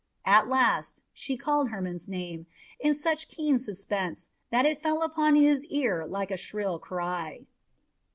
At last she called Hermon's name in such keen suspense that it fell upon his ear like a shrill cry.